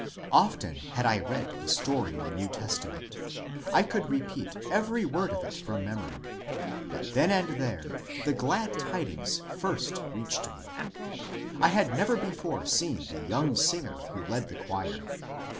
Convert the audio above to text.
Often had I read the story in the New Testament ; I could repeat every word of it from memory ; but then and there the glad tidings first reached me. I had never before seen the young singer who led the choir.